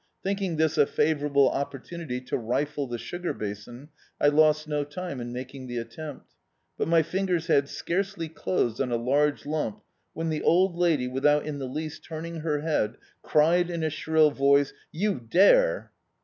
Thinking this a favourable opportunity to rifle the sugar basin, I lost no time in making the attempt; but my fingers had scarcely closed on a large lump when the old lady, without in the least tuming her head, cried in a dirill voice, "You dare